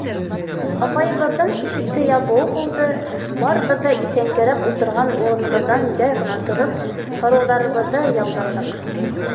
Апайыбыҙҙың ишекте ябыуы булды, барыбыҙ ҙа иҫәнгерәп ултырған урыныбыҙҙан яй ғына тороп, һорауҙарыбыҙҙы яуҙырҙыҡ.